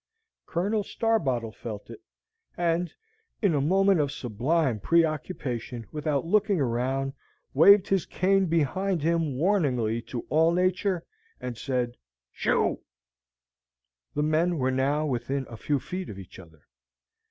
Colonel Starbottle felt it, and in a moment of sublime preoccupation, without looking around, waved his cane behind him, warningly to all nature, and said, "Shu!" The men were now within a few feet of each other.